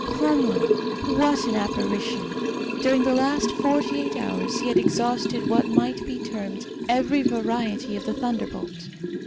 Homo! What an apparition! During the last forty eight hours he had exhausted what might be termed every variety of the thunder bolt.